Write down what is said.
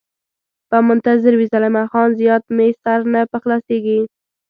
به منتظر وي، زلمی خان: زیات مې سر نه په خلاصېږي.